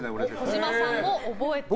児嶋さんも覚えていない。